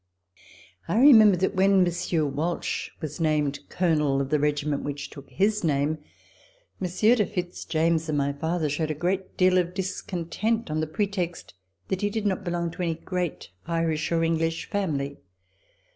I remember that when Monsieur Walsh was named Colonel of the regiment which took his name. Monsieur de Fitz James and my father showed a great deal of discontent, on the pretext that he did not belong to any great Irish or English family.